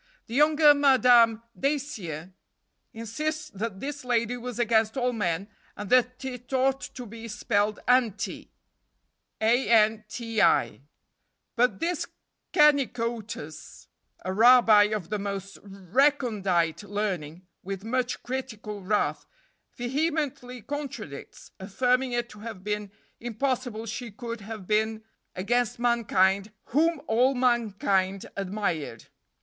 The younger Madame Dacier insists that this lady was against all men, and that it ought to be spelled anti; but this Kennicotus, a rabbi of the most recondite learning, with much critical wrath, vehemently contradicts, affirming it to have been impossible she could have been against mankind whom all mankind admired.